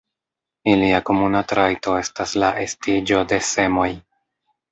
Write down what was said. Ilia komuna trajto estas la estiĝo de semoj.